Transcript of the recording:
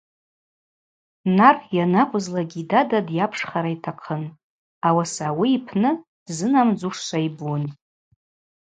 Нар йанакӏвызлакӏгьи йдада дйапшхара йтахъын, ауаса ауи йпны дзынамдзушта йбун.